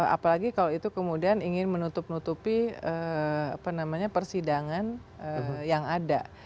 apalagi kalau itu kemudian ingin menutup nutupi persidangan yang ada